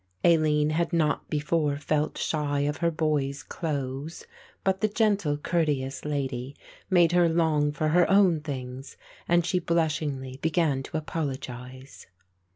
Aline had not before felt shy of her boy's clothes, but the gentle courteous lady made her long for her own things and she blushingly began to apologise.